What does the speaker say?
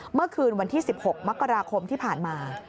เมื่อคืนวันที่๑๖มกราคมที่ผ่านมา